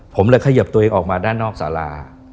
ผมเลยเขยิบตัวเองออกมาด้านนอกสารา